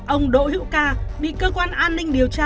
ông đỗ hữu ca bị cơ quan an ninh điều tra